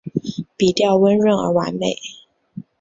笔调温润而完美